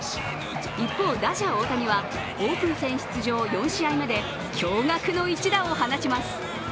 一方、打者・大谷はオープン戦出場４試合目で驚がくの一打を放ちます。